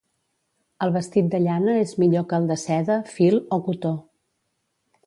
El vestit de llana és millor que el de seda, fil o cotó.